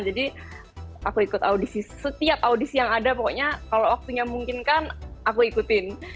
jadi aku ikut audisi setiap audisi yang ada pokoknya kalau waktunya mungkin kan aku ikutin